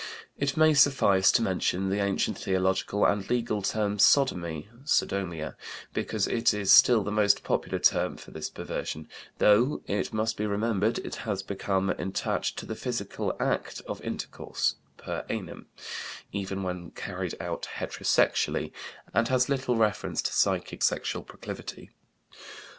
It may suffice to mention the ancient theological and legal term "sodomy" (sodomia) because it is still the most popular term for this perversion, though, it must be remembered, it has become attached to the physical act of intercourse per anum, even when carried out heterosexually, and has little reference to psychic sexual proclivity.